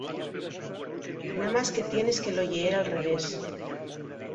Namás que tienes que lo lleer al revés.